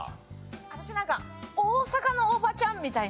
私なんか大阪のおばちゃんみたいな。